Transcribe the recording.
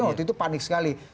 waktu itu panik sekali